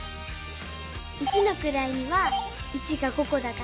一のくらいには１が５こだから５。